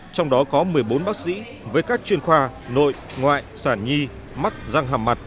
trong đó có một mươi bốn bác sĩ với các chuyên khoa nội ngoại sản nhi mắc răng hàm mặt